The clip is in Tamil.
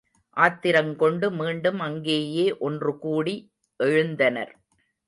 ஆத்திரங் கொண்டு மீண்டும் அங்கேயே ஒன்று கூடி எழுந்தனர்.